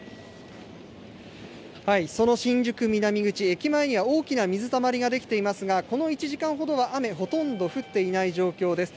その新宿南口、駅前には大きな水たまりが出来ていますが、この１時間ほどは、雨、ほとんど降っていない状況です。